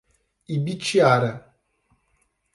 Ibitiara